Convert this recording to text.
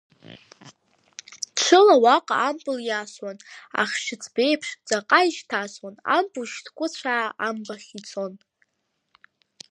Ҽыла уаҟа ампыл иасуан, ахьшьыцбеиԥш, ҵаҟа ишьҭасуан, ампыл шьҭкәыцәаа амбахь ицон.